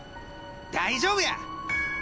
大丈夫や！